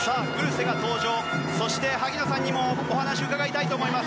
そして、萩野さんにもお話を伺います。